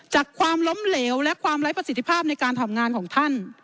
ความล้มเหลวและความไร้ประสิทธิภาพในการทำงานของท่าน